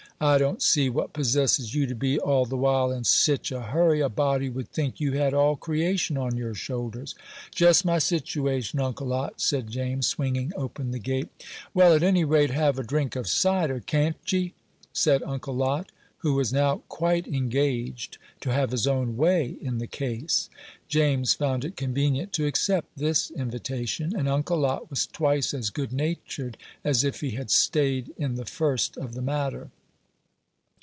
"I don't see what possesses you to be all the while in sich a hurry; a body would think you had all creation on your shoulders." "Just my situation, Uncle Lot," said James, swinging open the gate. "Well, at any rate, have a drink of cider, can't ye?" said Uncle Lot, who was now quite engaged to have his own way in the case. James found it convenient to accept this invitation, and Uncle Lot was twice as good natured as if he had staid in the first of the matter.